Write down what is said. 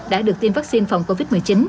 đã được tiêm vaccine phòng covid một mươi chín